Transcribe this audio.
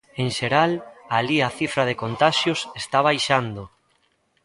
En xeral, alí a cifra de contaxios está baixando.